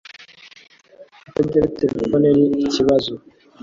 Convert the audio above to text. Kutagira terefone ni ikibazo